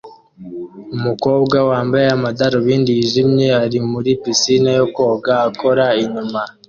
Umukobwa wambaye amadarubindi yijimye ari muri pisine yo koga akora inyuma